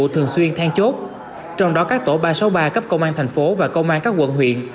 thường xuyên than chốt trong đó các tổ ba trăm sáu mươi ba cấp công an tp hcm và công an các quận huyện